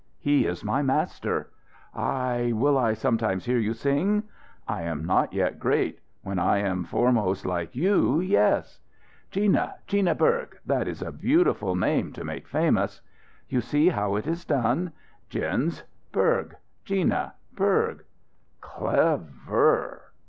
"He is my master." "I will I sometime hear you sing?" "I am not yet great. When I am foremost like you, yes." "Gina Gina Berg, that is a beautiful name to make famous." "You see how it is done? Gins Berg. Gina Berg. "Clev er!"